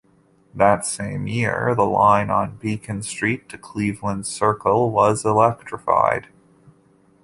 That same year the line on Beacon Street to Cleveland Circle was electrified.